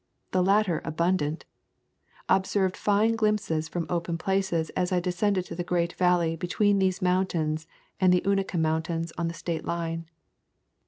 The latter abundant. Obtained fine glimpses from | open places as I descended to the great valley between these mountains and the Unaka Moun tains on the state line.